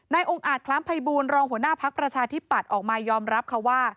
องค์อาจคล้ามภัยบูรณรองหัวหน้าพักประชาธิปัตย์ออกมายอมรับค่ะว่า